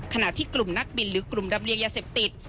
ขณะที่กลุ่มนักบินหรือกลุ่มรำเลียงยาเสพติด